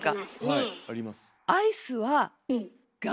はいあります。